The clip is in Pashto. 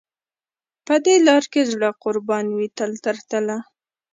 په دې لار کې زړه قربان وي تل تر تله.